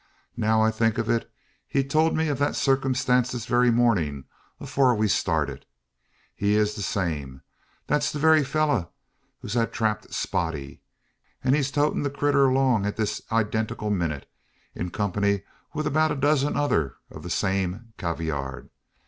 "Now I think o't, he told me o' thet suckumstance this very mornin', afore we started. He air the same. Thet's the very fellur es hev trapped spotty; an he air toatin' the critter along at this eyedentical minnit, in kump'ny wi' about a dozen others o' the same cavyurd.